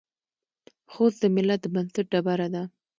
خوست د ملت د بنسټ ډبره ده.